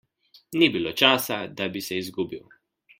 Ni bilo časa, da bi se izgubil.